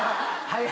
はい。